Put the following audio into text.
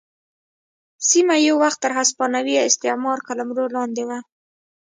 سیمه یو وخت تر هسپانوي استعمار قلمرو لاندې وه.